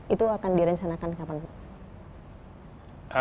itu akan direncanakan kapan